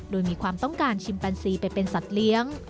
โดยมีความต้องการชิมแปนซีไปเป็นสัตว์เลี้ยง